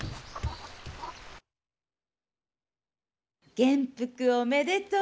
元服おめでとう。